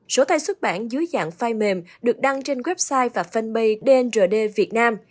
sổ tay xuất bản dưới dạng file mềm được đăng trên website và fanpage dngd việt nam